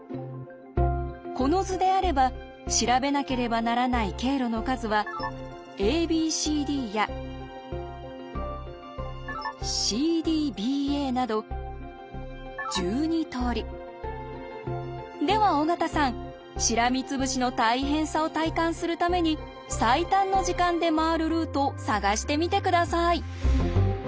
この図であれば調べなければならない経路の数はＡＢＣＤやＣＤＢＡなどでは尾形さんしらみつぶしの大変さを体感するために最短の時間で回るルートを探してみて下さい。